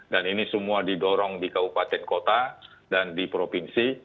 dan ini semua didorong di kabupaten kota dan di provinsi